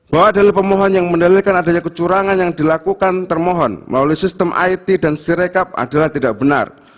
bahwa dalil pemohon yang mendalilkan adanya kecurangan yang dilakukan termohon melalui sistem it dan sirekap adalah tidak benar